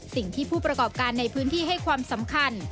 ผู้ประกอบการในพื้นที่ให้ความสำคัญ